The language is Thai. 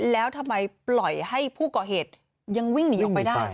แล้วทำไมปล่อยให้ผู้ก่อเหตุยังวิ่งหนีออกไปได้